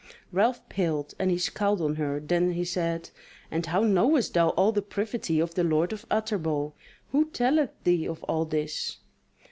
Ralph paled and he scowled on her, then he said: "And how knowest thou all the privity of the Lord of Utterbol? who telleth thee of all this?"